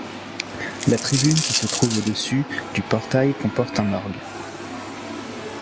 La tribune qui se trouve au-dessus du portail comporte un orgue.